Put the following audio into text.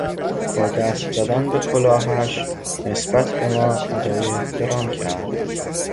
با دست زدن به کلاهش نسبت به ما ادای احترام کرد.